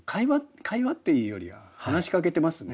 会話っていうよりは話しかけてますね